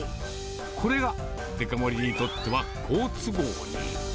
これがデカ盛りにとっては好都合に。